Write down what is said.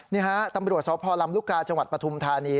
นี่ฮะตำรวจสพลำลูกกาจังหวัดปฐุมธานี